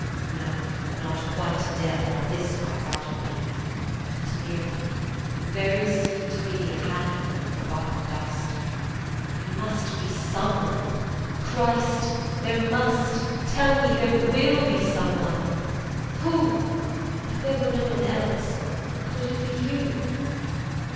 No, not quite dead, while this cries out in me, But nearly : very soon to be A handful of forgotten dust There must be someone. Christ ! there must, Tell me there will be some one. Who ?. If there were no one else, could it be You